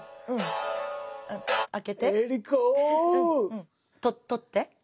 うん。と取って。